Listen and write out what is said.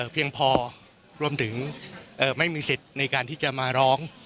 เพียงพอรวมถึงไม่มีสิทธิ์ในการที่จะมาร้อง